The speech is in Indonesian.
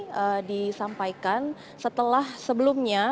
sudah disampaikan setelah sebelumnya